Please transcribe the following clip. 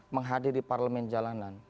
menghadiri parlemen jalanan